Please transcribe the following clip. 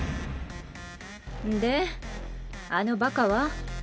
であのバカは？